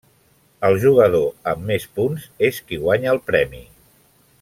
El jugador amb més punts és qui guanya el premi.